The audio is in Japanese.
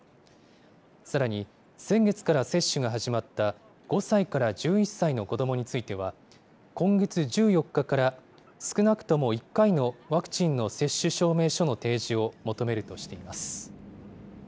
さらに、先月から接種が始まった５歳から１１歳の子どもについては、今月１４日から、少なくとも１回のワクチンの接種証明書の提示を求めるとしています。